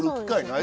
はい。